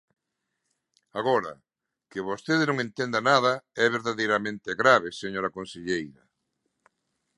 Agora, que vostede non entenda nada é verdadeiramente grave, señora conselleira.